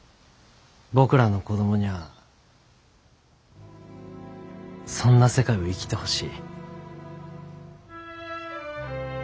僕らの子供にゃあそんな世界を生きてほしい。